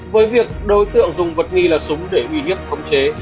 với việc đối tượng dùng vật nghi là súng để bị hiếp thống chế